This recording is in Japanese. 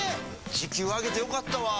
時給上げてよかったわ。